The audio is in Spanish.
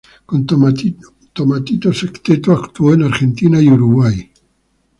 Con Tomatito Sexteto actuó en Argentina y Uruguay.